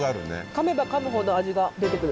噛めば噛むほど味が出てくる。